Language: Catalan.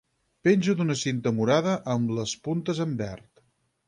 Penja d'una cinta morada, amb les puntes en verd.